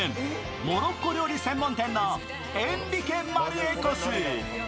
モロッコ料理専門店のエンリケマルエコス。